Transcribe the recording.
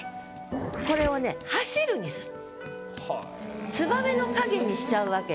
これをね「走る」にする。